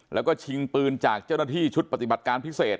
แล้วก็ชิงปืนจากเจ้าหน้าที่ชุดปฏิบัติการพิเศษ